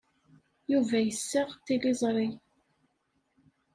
Yuba yessaɣ tiliẓri.